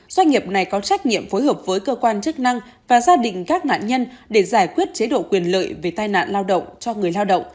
doanh nghiệp này có trách nhiệm phối hợp với cơ quan chức năng và gia đình các nạn nhân để giải quyết chế độ quyền lợi về tai nạn lao động cho người lao động